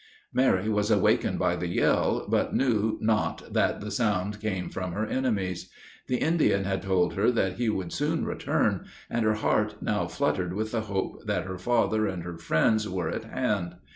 Mary was awakened by the yell, but knew not that the sound came from her enemies. The Indian had told her that he would soon return, and her heart now fluttered with the hope that her father and her friends were at hand.